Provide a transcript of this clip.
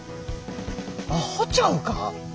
アホちゃうか。